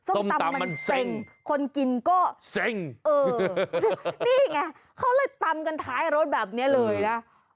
ส้มตำมันเซ็งคนกินก็เซ็งเออนี่ไงเขาเลยตำกันท้ายรถแบบนี้เลยนะ